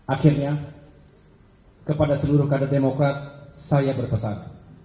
akhirnya kepada seluruh kader demokrat saya berpesan